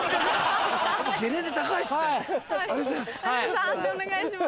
判定お願いします。